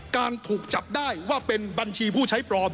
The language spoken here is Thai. การถูกจับได้ว่าเป็นบัญชีผู้ใช้ปลอม